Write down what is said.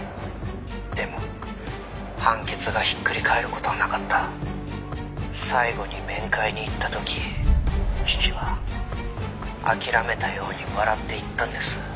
「でも判決がひっくり返る事はなかった」「最後に面会に行った時父は諦めたように笑って言ったんです」